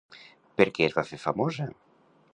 Per què es va fer famosa?